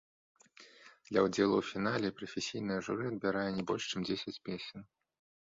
Для ўдзелу ў фінале прафесійнае журы адбярэ не больш чым дзесяць песень.